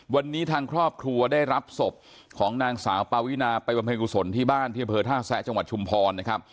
วันนี้ทางครอบครัวได้รับศพของนางสาวปาวินาไปบำเพ็ญกุศลที่บ้านที่อำเภอท่าแซะจังหวัดชุมพรนะครับ